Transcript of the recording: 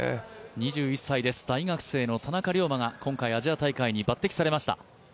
２１歳、大学生の田中龍馬が今回アジア大会に抜てきされました。